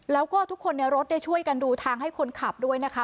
แล้วก็ทุกคนในรถช่วยกันดูทางให้คนขับด้วยนะคะ